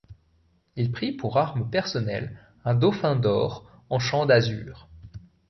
Il prit pour armes personnelles un dauphin d'or en champ d'azur.